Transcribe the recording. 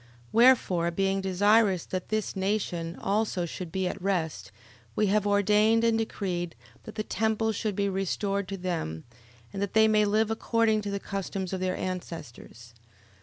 11:25. Wherefore being desirous that this nation also should be at rest, we have ordained and decreed, that the temple should be restored to them, and that they may live according to the custom of their ancestors.